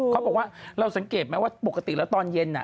เขาบอกว่าเราสังเกตไหมว่าปกติแล้วตอนเย็น